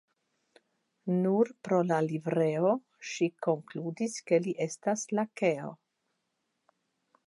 Nur pro la livreo ŝi konkludis ke li estas lakeo.